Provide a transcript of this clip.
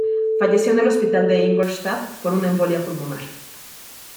Falleció en el hospital de Ingolstadt por una embolia pulmonar.